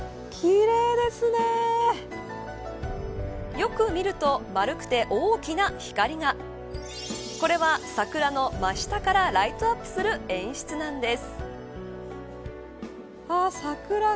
よく見ると、丸くて大きな光が。これは桜の真下からライトアップする演出なんです。